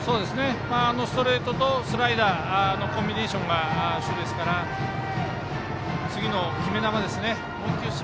ストレートとスライダーのコンビネーションが主ですから次の決め球ですね。